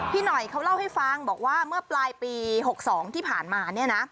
พี่หน่อยเขาเล่าให้ฟังบอกว่าเมื่อปลายปี๖๒ที่ผ่านมาเนี่ยนะ